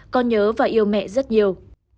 con nhớ và yêu mẹ rất nhiều